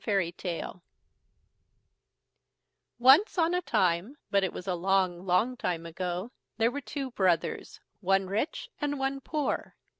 WHY THE SEA IS SALT Once on a time, but it was a long, long time ago, there were two brothers, one rich and one poor.